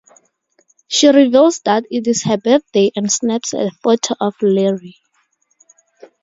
She reveals that it is her birthday and snaps a photo of Larry.